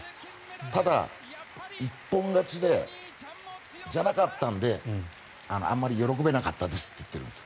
ただ、一本勝ちじゃなかったのであまり喜べなかったんですと言っていたんですよ。